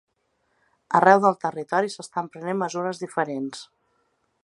Arreu del territori s’estan prenent mesures diferents.